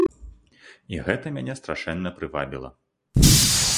І гэта мяне страшэнна прывабіла.